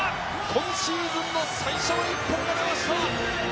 今シーズンの最初の１本が出ました。